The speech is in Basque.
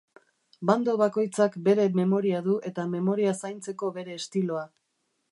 Bando bakoitzak bere memoria du eta memoria zaintzeko bere estiloa.